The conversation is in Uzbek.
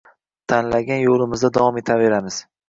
Tanlagan yoʻlimizda davom etavaramiz.